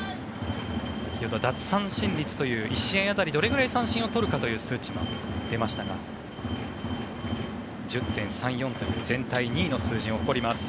先ほど奪三振率という１試合どれぐらい三振を取るかという数値も出ましたが１０．３４という全体２位の数字を誇ります。